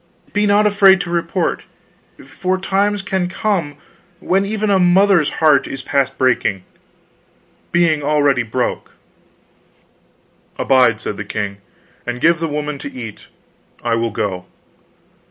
Be not afraid to report, for times can come when even a mother's heart is past breaking being already broke." "Abide," said the king, "and give the woman to eat. I will go."